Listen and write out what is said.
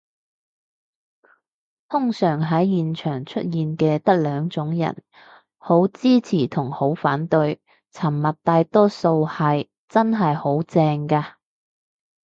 通常喺現場出現嘅得兩種人，好支持同好反對，沉默大多數係真係好靜嘅